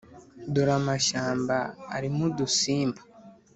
dore amashyamba arimo udusimba